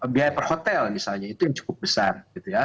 biaya per hotel misalnya itu yang cukup besar